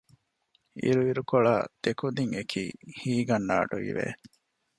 އިރުއިރުކޮޅާ ދެކުދިން އެކީ ހީގަންނަ އަޑުއިވެ